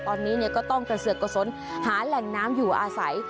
ตอนนี้ก็ต้องกระเสือกกระสนหาแหล่งน้ำอยู่อาศัย